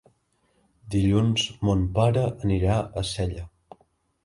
Dilluns mon pare anirà a Sella.